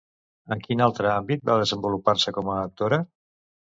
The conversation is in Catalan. En quin altre àmbit va desenvolupar-se com a actora?